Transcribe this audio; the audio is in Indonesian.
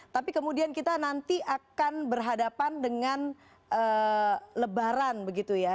tapi kemudian kita nanti akan berhadapan dengan lebaran begitu ya